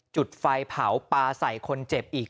จุดไฟเผาปลาใส่คนเจ็บอีก